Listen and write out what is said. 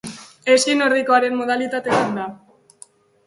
Eski nordikoaren modalitate bat da.